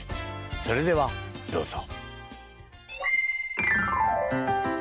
それではどうぞ。